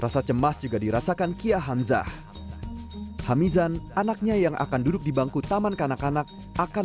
rasa cemas juga dirasakan kia hamzah hamizan anaknya yang akan duduk di bangku taman kanak kanak akan